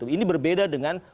ini berbeda dengan